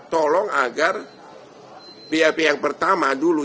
tolong agar bap yang pertama dulu